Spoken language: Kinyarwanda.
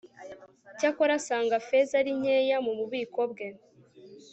cyakora asanga feza ari nkeya mu bubiko bwe